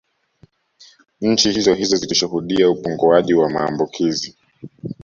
Nchi hizohizo zilishuhudia upunguaji wa maambukizi